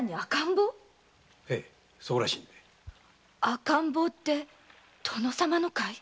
赤ん坊って殿様のかい？